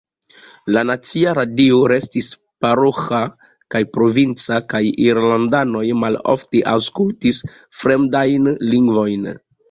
La nacia radio restis paroĥa kaj provinca, kaj irlandanoj malofte aŭskultis fremdajn lingvojn.